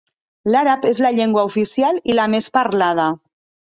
L'àrab és la llengua oficial i la més parlada.